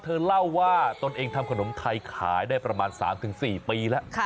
เธอเล่าว่าตนเองทำขนมไทยขายได้ประมาณ๓๔ปีแล้ว